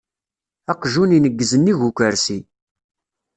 Aqjun ineggez-nnig ukersi.